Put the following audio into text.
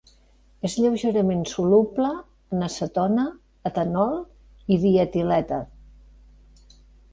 És lleugerament soluble en acetona, etanol i dietilèter.